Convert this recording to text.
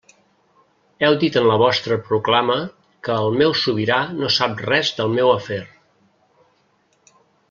Heu dit en la vostra proclama que el meu sobirà no sap res del meu afer.